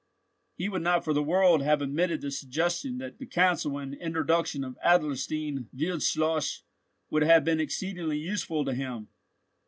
He would not for the world have admitted the suggestion that the counsel and introduction of Adlerstein Wildschloss would have been exceedingly useful to him.